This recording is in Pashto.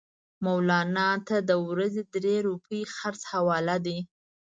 مولنا ته د ورځې درې روپۍ خرڅ حواله دي.